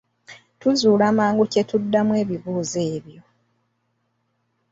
Tuzuula mangu kye tuddamu ebibuuzo ebyo.